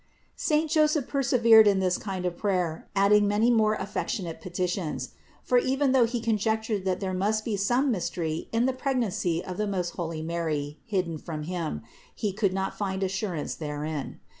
380. Saint Joseph persevered in this kind of prayer, adding many more affectionate petitions ; for even though he conjectured that there must be some mystery in the pregnancy of the most holy Mary hidden from him, he could not find assurance therein.